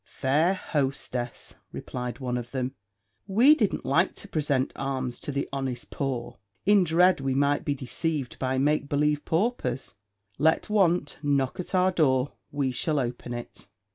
"Fair hostess," replied one of them, "we didn't like to present alms to the honest poor, in dread we might be deceived by make believe paupers. Let want knock at our door, we shall open it."